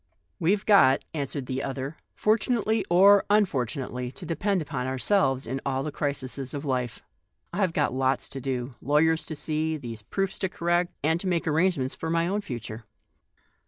11 We've got," answered the other, " f ortu nately or unfortunately, to depend upon our selves in all the crises of life. I've got lots to do : lawyers to see, these proofs to correct, and to make arrangements for my own future."